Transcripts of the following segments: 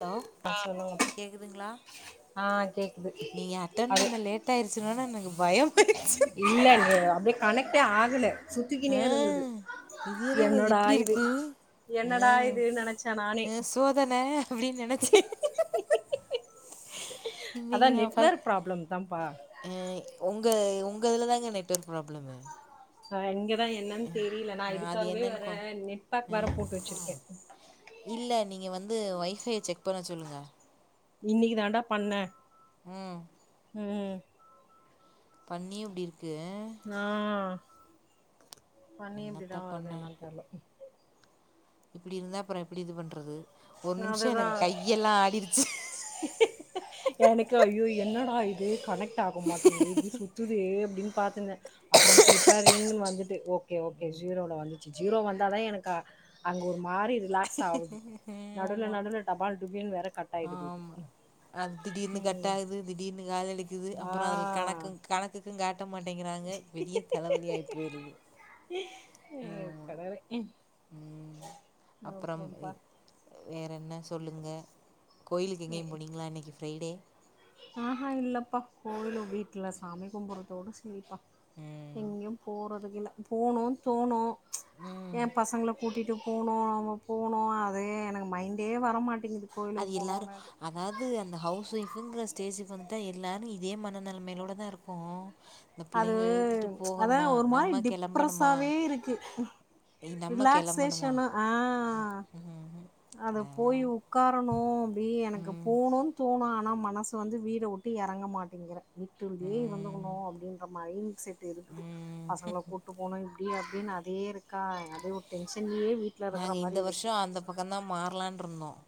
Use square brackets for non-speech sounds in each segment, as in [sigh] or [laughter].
Hello ஆ சொல்லுங்க கேக்குதுங்களா ஆ கேக்குது நீ அட்டன் அது பண்ண லேட் ஆயிருச்ச உடனே எனக்கு பயமாயிருச்சு இல்ல இ அப்படி கனெக்ட ஆகலை சுத்திக்கினே ஆ இருந்தது இது என்னங்க இது என்னோட இப்டி ஆயது இருக்கு என்னோட ஆ ஆுதுன்னு நினைச்சேன் நானே ஆ சோதன அப்டின்னு நெனச்சே இன்னைக்கு அதான் நா ஃப நெட்வொர்க் ப்ராப்ளம் தான்ப்பா ஆ உங்க உங்க இதுலதான்ங்க நெட்வொர்க் ப்ராப்ளம் எங்க ான் என்னன்னு தெரியல நான் அது இதுக்காகவே என்னன்னு வேற கொ நெட்ப் வேற ம் போட்டு வச்சிருக்கேன் இல்ல நீங்க வந்து ஒயஃபையை செக் பண்ண சொல்லுங்கள் இன்னைக்கு தான்டா பண்ணன் உம் உம் பண்ணி இப்படி இருக்கு ஆஹ பண்ணி என்னத்த இப்படிதான் வருது என்னு தெரியலும் இப்படி இருந்தா அப்புறம் எப்படி இது பண்றது ஒரு நா நிமிஷம் அதுதா எனக்கு கையெல்லாம் ஆடிடுச்சு எனக்கு ஐயோ என்னடா இது கனெக்ட் ஆக மாட்டேங்குது இப்படி சுத்துது அப்படின்னு பாார்த்தந்தேன் அப்புறம் பரிப்பேரிங் வந்துட்டு ஓகே ஓகே ஜீரோல வந்துச்சு ஜீரோ வந்த தான் எனக்கு அங்க ஒரு மாதிரி ரிலாக்ஸ் உஹம் நடுல நடுல டபால் டுபின்னுு வேற கட்ட்ாயிடுது இது ஆமா அது உம் து அப்புறம் அல கணக்கு கணக்குக்கு கட்ட மாட்டேங்கிறாங்க பெரிய தலைவலி ஆாயி போயிருது உ கடரை ம் அப்புறம்ப்பா சொல்லுங்கள் கோயு எங்கேயும் போனங்களா இன்னனைக்கு ஃப்ரைடே ஆஹா இல்லப்பா கோவிலும் வீட்டுல சாமி கும்புறதோடு செய்யப்பா ம் எங்கேயும் போற அப்படிங்கள போகணும் தோணும் ம் என் பசங்களை கூட்டிகிட்டு போனோம் நம்ம போனோம் அது எனக்கு மைண்டே வரமாட்டேங்கு அது எல்லாரும் அதாவது அந்த ஹவுஸ் ஒயஃபங்கற ஸ்டேஜுக்கு வந்துட்டா எல்லோரும் இதே மனநிலைமையிலோடு தான் இருக்கும் இந்த அது பிள்ளைங்களை இழுத்துட்டு போகணுமா அதான் ஒரு மாதிரி நம்ம கிளம்பணுமா டிப்ரஸ்ாவே இருக்கு இ- நம்ம கிளம்பணுமா ரிலாக்ஸியேஷன் ஆஹ் அது போய் அதெல்லாம் உட்காரணும் அப்டி எனக்கு ம் போனும் தோணும் மனசு வந்து வீட விட்டு இறங்க மாட்டேங்கிறேன் வீட்டுக்குள்ளே ம் இருந்துக்கணும் அப்டின்னு மைண்ட் செட் இருக்குது ம் பசங்களை கூட்டு போனும் இப்டி அப் அப்டின்னு அதே இருக்கா அதே ஒரு டென்சன் நாங்க இந்த வருஷம் அந்த பக்கம்தான் மாறலாம் இருந்தோம்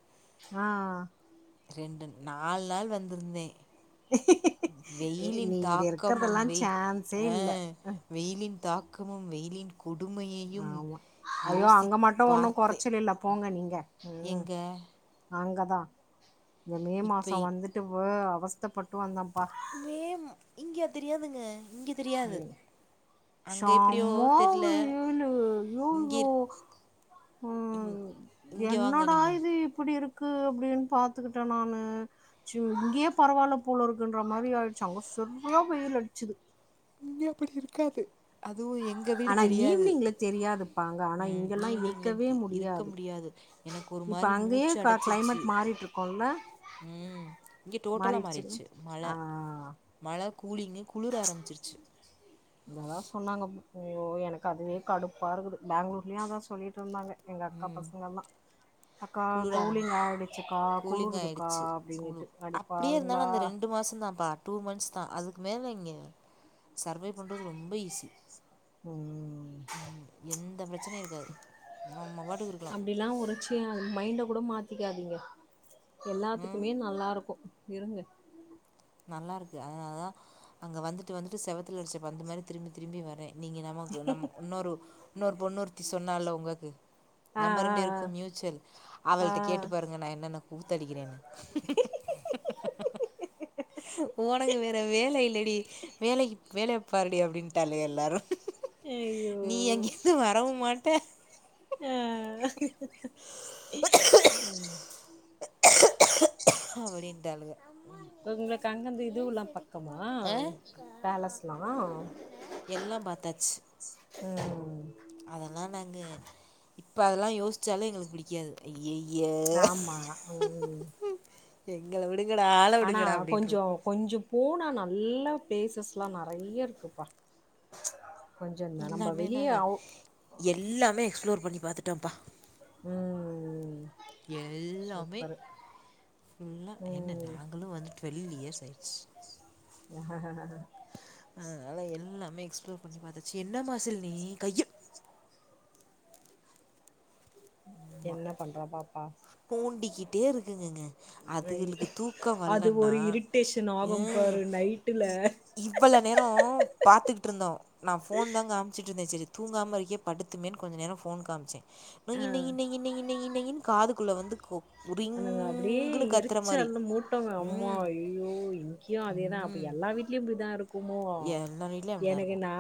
ஆஹ் ரெண்டு நாலு நாள் வந்திருந்தேன் வெயிலின் நீ இங்க தாக்கமும் இருக்கறதெல்லா வெய சான்ஸே இல்ல அஹ் வெயிலின் தாக் பக்கமும் வெயிலின் கொடுமையையும் ஆமா ஐயோ அங்க யோசித் மட்டும் ஒன்னும் பார்த்தேன் கொறச்சல் இல்ல போங்க நீங்க உம் எங்க நாங்கதான் இந்த மே இப்ப மாசம் இ- வந்துட்டு வே அவஸ்தப்பட்டு வந்தம் பா மே ம- இங்க தெரியாதுங்க இங்க தெரியாது அங்க எப்படியோ செம தெர்ல வெயிலு இங்க ஐயையோ இருக் இங்க வாங்க என்னடா நீங்க இது இப்டி இருக் க்கு அப்டின்னு பாத்துக்கிட்டேன் நானு இங்கேயே பரவாயில்ல போல இருக்குன்ற மாரி ஆயிடுச்சு அங்க சரியா வெயில் அடிச்சுது நீங்க அப்பிடி இருக்காது அதுவும் எங்க வீடு ஆனா தெரியாது ஈவினிங்ல தெரியாதுப்பா அங்க ஆனா உம் இங்கெல்லா ஈவினிங்ல இருக்கவே இருக்க முடியாது எனக்கு ஒரு இப்ப மாரி அங்கேயே மூச்சு க அடைச்சிருச்சு கிளைமேட் மாறிட்டு இருக்குல்ல உம் இங்க டோட்டலா மாறிடுச்சுங்களா மாறிடுச்சு மழ ஆ மழ கூலிங்கு குளிர ஆரம்பிச்சிருச்சு இதெல்லாம் சொன்னாங்க ஓ எனக்கு அதுவே கடுப்பாக இருக்குது பெங்களூர்லேயும் அதான் சொல்லிட்டு இருந்தாங்க எங்கள் அக்கா பசங்க எல்லா அக்கா குளிர ஆரம் கூலிங்க் ஆயிடுச்சுக்கா கூலிங் குளுறுதுக்கா ஆயிடுச்சு குளு அப்பிடின்னுட்டு அடி அப்டியே பாவிங்களா இருந்தாலு அந்த வேலங்க சர்வை பண்ணுறது ரொம்ப ஈஸி ம் உம் எந்த பிரச்சனையும் இருக்காது நம்ம பாட்டுக்கு இருக்கலாம் நீண்ட கூட மாத்திக்காதீங்க ம் எல்லாத்துக்குமே நல்லாயிருக்கும் இருங்க நல்லாயிருக்கு அதனால தான் வந்துட்டு வந்துட்டு செவத்துல அடிச்சப் பந்து மாறி திருப்பி திரும்பி வரேன் நீங்க நமக்கு நம்ம இன்னொரு இன்னொரு பொண்ணூருத்தி சொன்னாலோ உங்களுக்கு ஆ நம்ம ஆ ரெண்டு பேருக்கு மியூச்சல் ஆ ஆ அவள்ட கேட்டு பாருங்க நா என்னன்னு கூத்தடிகிறேனு இம் இம் ஹ ஹ ஹ உனக்கு வேற வேல இல்லடி வேலைக்கு வேலைய பாருடி அப்டின்ட்டாலக எல்லாரு ஐயோ நீ அங்கிருந்து வரவு மாட்ட ஆஹ் ஹ ஹ உம் அப்டின்றாளுஹ உங்ளுக்கு அங்கருது இதுல்லா பக்கமா ஆ பேலஸ்ல்லாம் எல்லாம் உஹம் அதெல்லா நாங்க இப்ப அதெல்லா யோசிச்சாலே எங்ளுக்கு புடிகாது அய் ஆமா உம் எங்கள விடு ஆனா கொஞ்சோ கொஞ்சம் போனா நல்ல எல்லா பேசஸ்லா நெறைய இருக்குப்பா கொஞ்சந்தா நம்ம எல்லாமே வெளிய நாங்க அவு எல்லாமே எக்ஸ்ப்ளோர் பண்ணி பாத்துட்டோப்பா உம்ம்ம் ம்ம் எல்லாமே ஃபுல்லா என்ன ம் நாங்களு வந்து டுவெல்வ் இயர்ஸ் ஆயிடு அதுனால எல்லாமே எக்ஸ்ப்ளோர்பண்ணி பாதச்சு என்ன மாசில் நீ கைய எடு ஆமா என்ன பண்றா பாப்பா தூண்டிக்கிட்டே இருக்குங்கங்க ஐ அதுகளுக்கு தூக்கமே அது வரலன்னா ஒரு இரிட்டேஷன் ஆகும் ஹம் பாரு நைட்டுல இவ்ளோநேரோ பாத்துக்கிட்டு இருந்தோ நா ஃபோன் தா காமிச்சிட்டு இருந்தே சரி தூங்காம இருக்கே படுத்துமேன்னு கொஞ்சோ நேரோ போன் காமிச்சே நை நை ஆ நை நை நைன்னு காதுக்குள்ள வந்து கோ அந்தங்க அப்டியே எரிச்சல் மூட்டோங்க அம்மா ம் ஐயோ இங்யு அதேதா அப்ப ம் எல்லா வீட்லி யு இப்டிதா இருக்கு குமோ எல்லா வீட்லேயும் அப்படி தான் எனக்கு இருக்கும் நா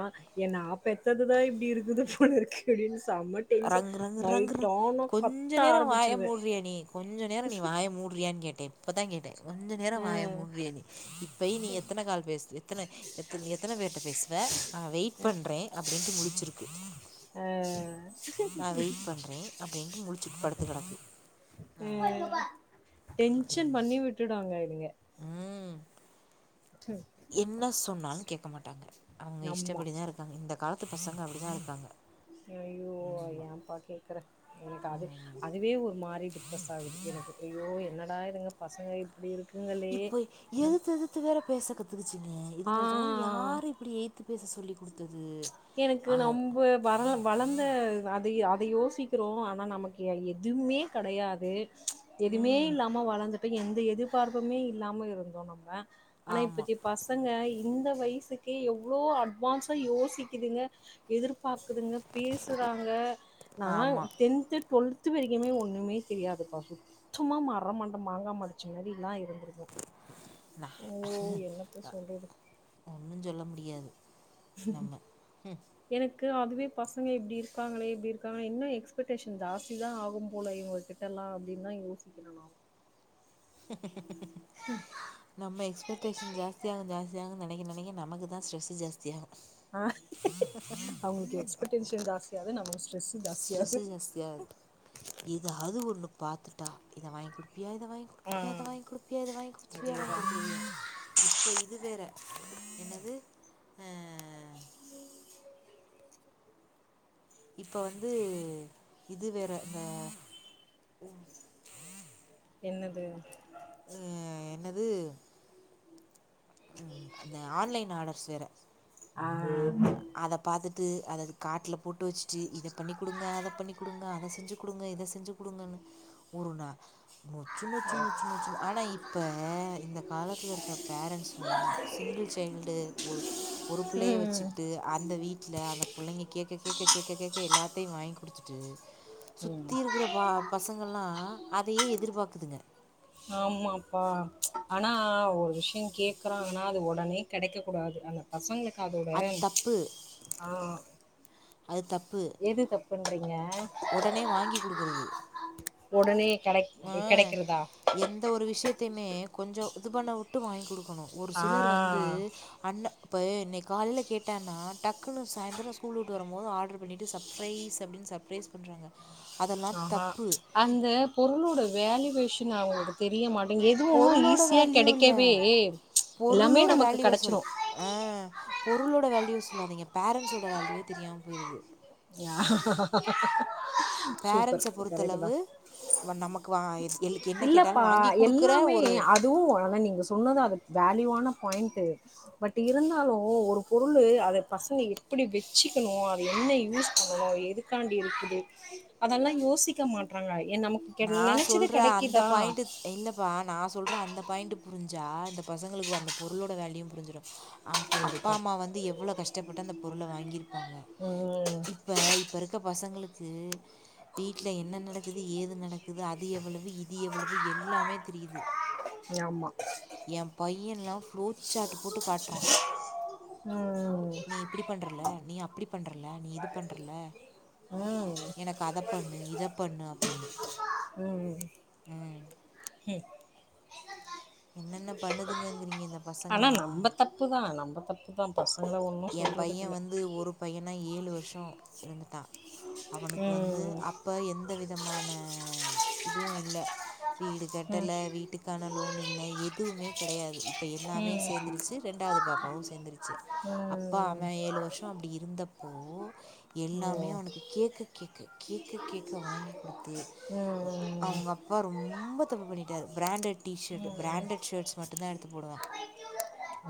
என்ன அப் பெத்ததுதா இப்டி இருக்குது போலருக்கு அப்டின்னு செம்ம டென்ஷன் ரங் ரங் ரங் நைட் ஆனா கொஞ்ச கத்த நேரொ வாய ஆரம்பிச்சிருவே மூடுறிய நீ கொஞ்சோ நேரொ நீ வாய மூடுறிய கேட்ட இப்பதா கேட்ட கொஞ்ச நேரோ அ வாய முடிறிய நீ இப்பய் நீ எத்தன கால் பேஸ்த் எத்தன எத்து எத்தன பேர்ட்ட பேசுவ நா வெயிட் பண்றன் அப்டின்ட்டு முடிச்சுருக்கு அ நா வெயிட் பண்றேன் அப்டின்ட்டு முழுச்சுட் படுத்துகேடக்கு ஆமா அ [unintelligible] அங்க இங்க ம் என்ன சொன்னாலு கேக்க மாட் ட்டாங்க அவுங்க அம்மா இஷ்டப்படி தாருக்காங்க இந்த காலத்து பசங்க அப்டிதாருக்காங்க ம்மா எனக் அது அதுவே ஒரு மாரி டிப்ரஸ் ஆவுது எனக்கு ஐயோ என்னடாது இதுங்க பசங்க இப்டிருக்கு இப்ப எதுத்து எதுத்து வேற பேச கத்துக்குச்சிங்க ஆ இதுங்கள்ட்டையெல்லா யாரு இப்டி எய்த் எனக்கு ஆ நம்ப வரள வளந்த அதை அதை யோசி சிக்குறோ ஆனா நமக்கு எ எதுமே கடயாது எதுமே இல்லாம வளந்துட்டோ எந் எந்த எதிர்ப்பார்ப்புமே இல்லாம இருந்தோ நம்ம ஆனா ஆமா இப்பக்கி பசங்க இந்த வயசுக்கே எவ்ளோ அட் வான்ஸா யோசிக்குதுங்க எதுர்ப் பாக்குதுங்க பேசுறாங்க நாலா ஆமா டென்த்து டோல்த்து வரிக்குமே ஒன்னுமே தெரியாதுப்பா சு சும்மா மரமண்ட மாங்காமடச்சி மாரிலா இருந் நா என்னத்த சொல்றது ஒன்னுஞ் சொல்ல முடியாது நம்ம எனக்கு அதுவே பசங்க இப்டி இருக்காங்களே இப்டி இருக்காங்களே இன்னு எக்ஸ்பெக்டேஷன் ஜாஸ்தி தா ஆகு போல இவுங்க கிட்டல்லாம் அப்டின்னு தா யோசிக்கிறே நானு நம்ம எக்ஸ்பெடேஷன் ஜாஸ்தியாக ஜாஸ்தியாக நெனைக்க நெனைக் க நமக்கு தா ஸ்ட்ரெஸ்ஸு ஜாஸ்தி ஆ ஆ அவுங்களுக்கு எக்ஸ்பக்டேஷன் ஜாஸ்தியாகுது நமக் ஸ் ஸ்ட்ரெஸ்ஸு ஜாஸ்தியாவ்து எதாது ஒன்னு பாத்துட்டா இத வாங்கி குடு ப்பியா இத வாங்கி ஆ குடுப்பியா இத வாங்கி குடுப்பியா இத வாங்கி குடுத்துருவியா வாங்கி அதேதா குடுத்துருவ்யா இப்ப இது வேற என்னது ஆ ம் [unintelligible] இப்ப வந்து இது வேற இந்த என்னது [inaudible] என்னது ம் அந்த ஆன்லைன் ஆர்டர்ஸ் வேற ஆ அத பாத்துட்டு அத அது கார்ட்டுல போட்டு வச்சுட்டு இத பண்ணி் குடுங்க அத பண்ணி் குடுங்க அத செஞ்சு குடுங்க இத செஞ்சு குடுங்கன்னு ஒரு நா நொச்சு நொச்சு நொச்சு நொச்சுனு ஆனா இப்ப இந்த காலத்துல இருக்கர பேரண்ட்ஸும் சிங்கிள் சைல்டு ஒரு ஒரு புள்ளைய வெச்சு ம் த்து அந்த வீட்டுல அந்த புள்ளங்க கேக்க கேக்க கேக்க கேக்க எல்லாத்தையும் வாங்கி குடுத்துட்டு ம் சுத்தி இருக்குற பா பசங்கல்லாம் அதையே எதிர்பார்க் இருக்குதுங்க ஆமாப்பா ஆனா ஒரு விஷயம் கேக்றாங்க அது உடனே கிடைக்க கூடாது அந்த பசங்களுக்கு அதோட அது தப்பு ஆஹ் அது தப்பு எது தப்புண்றீங்க உடனே வாங்கி குடுக்குறது உடனே கெடை கெடைக்கிறதா தேமே கொஞ்சம் இது பண்ண உட்டு வாய்ங் குடுக்கணும் ஒரு சிலர் வந்து ஆ அண்ண இப்பவே இன்னைக்கு காலைல கேட்டேன்னா டக்குன்னு சாய்ந்தரம் ஸ்கூல் உட்டு வரும்போது ஆர்டர் பண்ணிட்டு சர்பரைஸ் அப்டின்னு சர்ப்ரைஸ் பண்றாங்க அதெல்லா ஆஹஹா தப்பு அந்த பொருளோட வேலுவேஷன் அவங்களுக்கு தெரிய மாட் எதுவும் பொருளோட ஈஸியா வேல்யூ இல்ல கெடைக்கவே ம்ச் எல்லாமே பொருளோட நமக்கு வேல்யூவ சொல்ல கெடைச்ரும் ஆ பொருளோட வேல்யூவே சொல்லாதீங்க பேரண்டட்ஸோட வேல்யூவே தெரியாமல் போயிடுது யா சூப்பர் பேரண்ட்ஸ கரெக்ட் பொறுத்தளவு தான் நமக்கு வா எது என்ன கேட்டாலு இல்லப்பா வாங்கி குடுக்குற எல்லாமே ஒரு அதுவும் ஆனா நீங்க சொன்னது அதுக்கு வேல்யூவான பாயிண்ட் பட் இருந்தாலும் ஒரு பொருள் அதை பசங்க எப்படி வெச்சுிக்கணும் அது என்ன ய எதுக்காண்டி இருக்குது அதெல்லாம் யோசிக்க மாட்றாங்க ஏ நமக்கு கெ நான் நெனச்சது சொல்ற அந்த கெடைக்குதா பாயிண்ட் இல்லப்பா நான் சொல்றேன் அந்த பாயிண்டு புரிஞ்சா இந்த பசங்களுக்கு அந்த பொருளோட வேலியூயும் புரிஞ்சிடும அம் அப்பா கண்டிப்பா அம்மா வந்து எவ்ளோ கஷ்டப்பட்டு அந்த பொருள வாங்கிருப்பாங்க. ம் இப்ப இப்ப இருக்க பசங்களுக்கு க்கு வீட்ல என்ன நடக்குது ஏது நடக்குது அது எவ்வளவு இது எவ்வளவு எல்லாமே தெரியுது ஆமா என் பையன்லாம் ரோட் சாட் கூட்டு காட்றோம் ம் நீ இப்டி பண்றல நீ அப்டி பண்றல நீ இது பண்றல ம் எனக்கு அத பண்ணு இத பண்ணு அப்டின்னு உம் ஹ்ம் என்னென்ன பண்ணுதுங்கங்கிறீங்க இந்த ஆனா பசங்கல்லாம் நம்ம தப்பு தான் [unintelligible] என் சொல்றதுக்கு பையன் இல்ல வந்து ஒரு பையனா ஏழு வருஷம் இருந்துட்டான் அவனுக்கு வந்து ம் அப்ப எந்த விதமான இதுவும் இல்ல வீடு ம் கட்டலை வீட்டுக்கான லோன் இல்ல எதுவுமே கெடையாது இப்ப எல்லாமே ம் சேர்ந்துருச்சு ரெண்டாவது பாப்பாவு சேர்ந்துருச்சு அப்பா ம் அவன் ஏழு வருஷ அப்டி இருந்தப்போ ஓ எல்லாமே அவனுக்கு கேட்க கேட்க கேட்க கேட்க வாங்கி குடுத்து ம் அவங்க அப்பா ரொம்ப தப்பு பண்ணிட்டாரு பிராண்டட் டீஷர்ட் பிராண்டட் ஷர்ட்ஸ் மட்டு தா எடுத்து போடு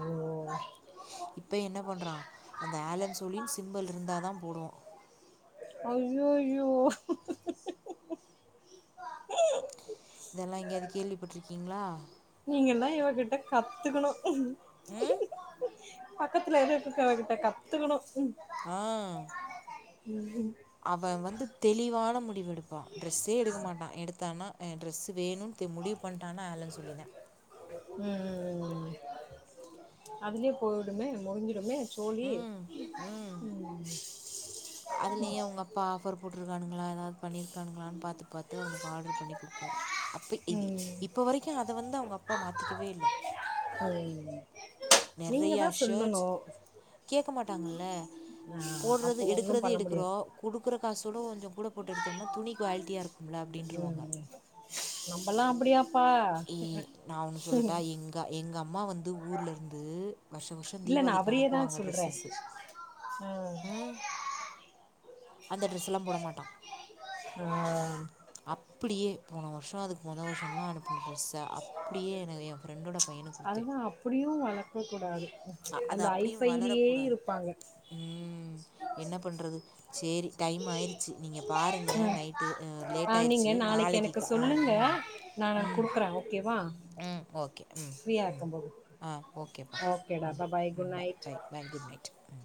ஒ ஒ ஒ இப்ப என்ன பண்றா அந்த ஆலன் சொழின் சிம்பில் இருந்தாதா போடுவோ ஐயோயோ இதெல்லா எங்கேயாவது கேள்விப்பட்டிருக்கீங்களா நீங்கெல்லா இவகிட்ட கத்துக்கணு ம் பக்கத்துல எதக்கு இருக்கவகிட்ட கத்துக்கணு ஆ ம் ம் அவ வந்து தெளிவான மு முடிவெடுப்பா ட்ரெஸ்ஸே எடுக்க மாட்டா எடுத்தான ஆ ட்ரெஸ் வேணுட்டு முடிவு பண் ஆனா ஆலன் சொலின் தா ம் ம் அதுலயே போய்டுமே முடிஞ்சுடுமே தோழி ம் அதுலயு உங்க அப்பா ஆஃபர் போட் இருக்காணுங்களா எதாவது பண்ணியிருக்காணுங்களான்னு பாத் பாத்து அவனுக்கு ஆர்டர் பண்ணி குடுப்பாரு அப்ப ம் [unintelligible] இப்ப வரைக்கு அத வந்து அவங்க அப்பா மாத்திக்கவே இல்ல ம். நீங்க நெறையா தான் ஷ்ர்ட்ஸ் சொல்லணும். கேட்க மாட்டாங்கல்ல ஆ அப்போ போட்றது ஒண்ணும் எடுக்கறது பண்ண எடுக்கறோ முடியாது. குடுக்கற காசோட கொஞ் [unintelligible] கூட போட்டு எடுத்தோம்னா துணி குவாலிட்டியா இருக்கு ம்ல அப்டின்ருவாங்க நம்பெல்லா ஏ நா ஒன்னு சொல்லுட்டா எங்க எங்க அம் அம்மா வந்து ஊர்லருந்து வருஷ வருஷம் இல்ல நான் தீபாவளிக்கு அவரையே தான் அனுப்புவாங்க சொல்றேன். ட்ரெஸ்ஸஸ் ஆ. ம் அந்த ட்ரெஸ்ஸெல்லா போட மாட்டா ஆ ஆ ஆ அப்டியே போன வருஷ அதுக்கு மொத வருஷலா அனுப்புன ட்ரெஸ்ஸ அப்டியே ஏ ஏ ஃப்ரெண்டோட பையனுக்கு கொடுத்தேன் அதுதா அப்புடியு வளக்க கூடாது அது அந்த அப்டியு வளர ஐஃபைலயே கூடாது இருப்பாங்க. ம் என்ன பண்றது சேரி டைம் ஆயிருச்சு நீங்க பாருங்க ம். நைட்டு ஆ லேட் நீங்க ஆய்ருச்சு நாளைக்கு எனக்கு ஆ சொல்லுங்க. ம் ம் ம் ஓகே ம் ம் ஃப்ரியாருக்கும் போது ஆ ஓகேப்பா ஓகே டா ம் பா பாய் ம் good night bye bye good night ம்